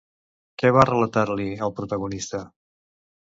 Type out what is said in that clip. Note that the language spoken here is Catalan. Què va relatar-li al protagonista?